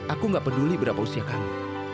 aku nggak peduli berapa usia kamu